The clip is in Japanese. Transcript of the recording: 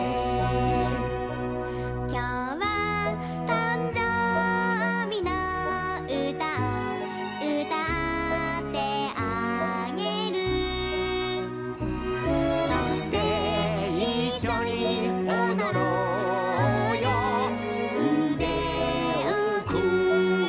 「きょうはたんじょうびのうたをうたってあげる」「そしていっしょにおどろうようでをくんで、、、」